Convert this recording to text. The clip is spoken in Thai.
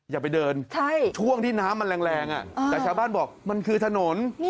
อย่าไปเดินช่วงที่น้ำมันแรงแต่ชาวบ้านบอกมันคือถนน